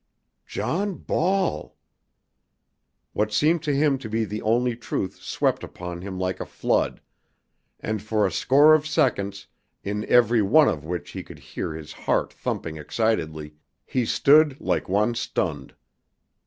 "John Ball!" What seemed to him to be the only truth swept upon him like a flood, and for a score of seconds, in every one of which he could hear his heart thumping excitedly, he stood like one stunned.